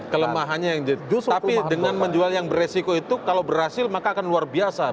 kelemahannya tapi dengan menjual yang beresiko itu kalau berhasil maka akan luar biasa